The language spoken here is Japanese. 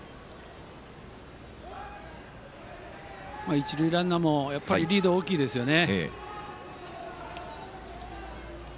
一塁ランナーもリード大きいですよね。